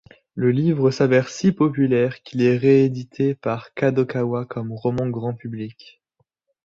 Le livre s'avère si populaire qu'il est réédité par Kadokawa comme roman grand public.